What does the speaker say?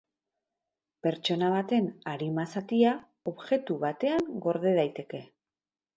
Pertsona baten arima zatia objektu batean gorde daiteke.